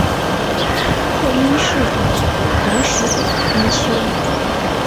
后因事贬为国史馆编修。